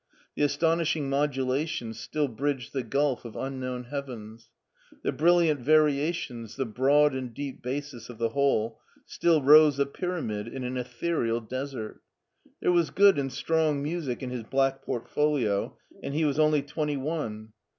The astonishing modula tions still bridged the gulf of unknown heavens. The brilliant variations, the broad and deep basis of the whole, still rose a pyramid in an ethereal desert. There was good and strong music in his black port folio, and he was only twenty one.